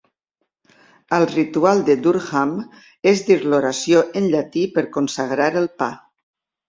Al ritual de Durham, es diu l'oració en llatí per consagrar el pa.